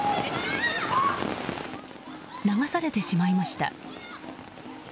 流されてしまいました。